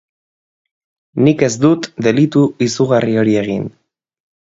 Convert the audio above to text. Nik ez dut delitu izugarri hori egin.